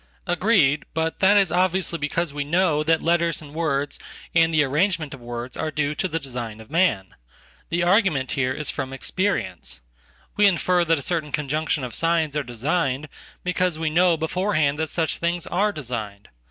Agreed, but that is obviously because we know that letters andwords and the arrangement of words are due to the design of man. The argument here is from experience. We infer that a certainconjunction of signs are designed because we know beforehand thatsuch things are designed.